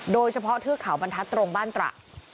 โดยเฉพาะเทือกเขาบรรทัศน์ตรงบ้านตระ